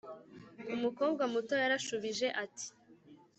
umukobwa muto yarashubije ati,